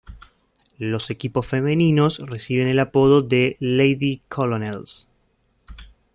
Los equipos femeninos reciben el apodo de "Lady Colonels".